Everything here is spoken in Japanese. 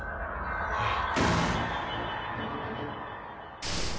えっ。